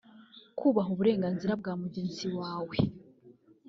kubaha uburenganzira bwa mugenzi wawe